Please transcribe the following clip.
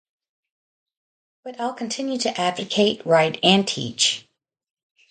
But I'll continue to advocate, write and teach.